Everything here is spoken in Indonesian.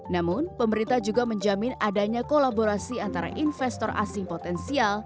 namun pemerintah juga menjamin adanya kolaborasi antara investor asing potensial